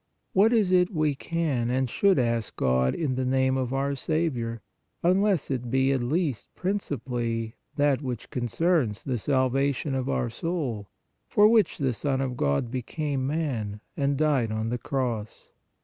* What is it we can and should ask God in the name of our Saviour, unless it be at least principally that which concerns the salvation of our soul, for which the Son of God became man and died on the cross?